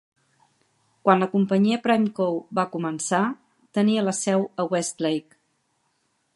Quan la companyia PrimeCo va començar, tenia la seu a Westlake.